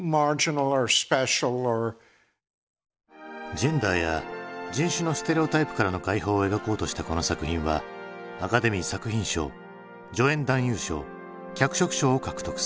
ジェンダーや人種のステレオタイプからの解放を描こうとしたこの作品はアカデミー作品賞助演男優賞脚色賞を獲得する。